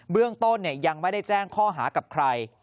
เรื่องต้นยังไม่ได้แจ้งข้อหากับใคร